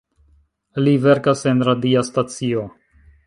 Li verkas en radia stacio.